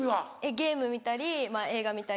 ゲーム見たり映画見たり。